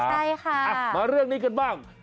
ใช่ค่ะมาเรื่องนี้กันบ้าง